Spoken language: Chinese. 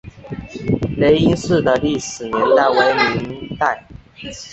雷音寺的历史年代为明代。